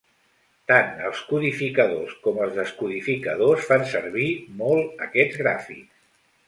Tant els codificadors com els descodificadors fan servir molt aquests gràfics.